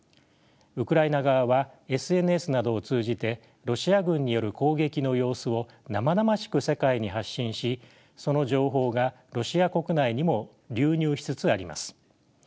ウクライナ側はＳＮＳなどを通じてロシア軍による攻撃の様子を生々しく世界に発信しその情報がロシア国内にも流入しつつあります。